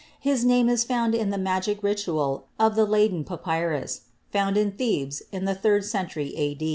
His name is found in the magic ritual of the Leyden papyrus (found in Thebes in the third cen tury a.